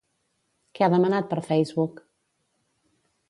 Què ha demanat per Facebook?